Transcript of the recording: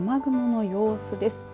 では、雨雲の様子です。